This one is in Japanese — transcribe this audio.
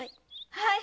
はい！